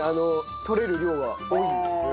とれる量は多いんですよ。